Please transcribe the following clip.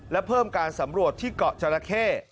และเพิ่มการสำรวจที่เกาะจราเข้